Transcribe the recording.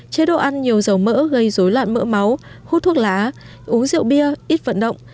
chế độ ăn nhiều dầu mỡ gây dối loạn mỡ máu hút thuốc lá uống rượu bia ít vận động